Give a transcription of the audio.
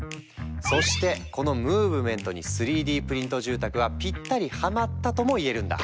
そしてこのムーブメントに３Ｄプリント住宅はぴったりハマったともいえるんだ。